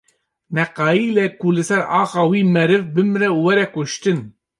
Neqayîle ku li ser axa wî meriv bimre û were kuştin.